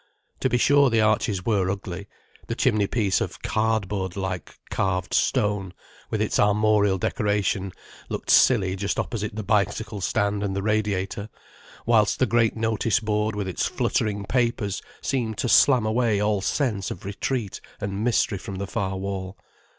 To be sure the arches were ugly, the chimney piece of cardboard like carved stone, with its armorial decoration, looked silly just opposite the bicycle stand and the radiator, whilst the great notice board with its fluttering papers seemed to slam away all sense of retreat and mystery from the far wall.